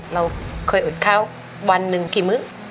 เราเคยอดข้าววันหนึ่งกี่มื้อ